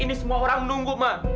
ini semua orang menunggu mak